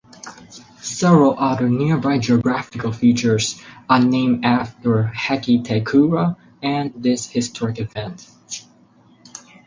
Several other nearby geographical features are named after Hakitekura and this historic event.